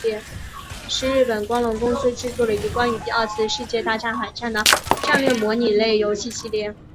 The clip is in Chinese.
是日本光荣公司制作的一个关于第二次世界大战海战的战略模拟类游戏系列。